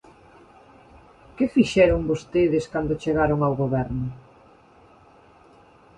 ¿Que fixeron vostedes cando chegaron ao Goberno?